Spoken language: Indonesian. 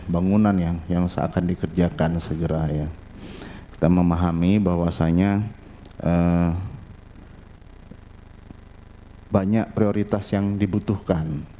banyak prioritas yang dibutuhkan